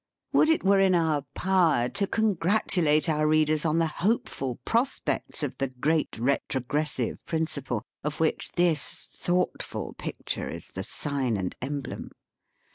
Would it were in our power to congratulate our readers on the hopeful prospects of the great retrogressive principle, "of which this thoughtful picture is the sign and emblem